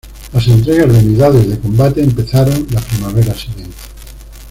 Las entregas de unidades de combate, empezaron la primavera siguiente.